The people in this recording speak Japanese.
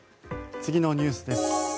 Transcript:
次のニュースです。